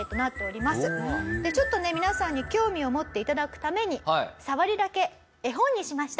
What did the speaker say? ちょっとね皆さんに興味を持って頂くためにさわりだけ絵本にしました。